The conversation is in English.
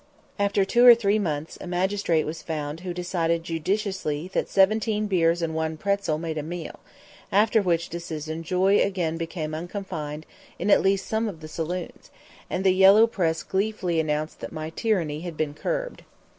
After two or three months a magistrate was found who decided judicially that seventeen beers and one pretzel made a meal after which decision joy again became unconfined in at least some of the saloons, and the yellow press gleefully announced that my "tyranny" had been curbed.